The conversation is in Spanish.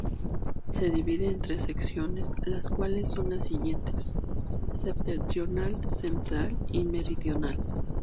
Se divide en tres secciones las cuales son las siguientes: Septentrional, Central y Meridional.